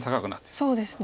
そうですね。